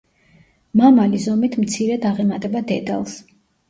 მამალი ზომით მცირედ აღემატება დედალს.